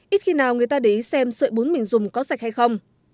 ít khi nào người ta để ý xem sợi bún mình dùng có sạch hay không